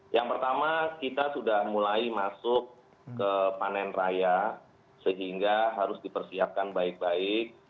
yang pertama kita sudah mulai masuk ke panen raya sehingga harus dipersiapkan baik baik